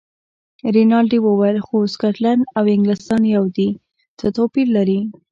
رینالډي وویل: خو سکاټلنډ او انګلیستان یو دي، څه توپیر لري.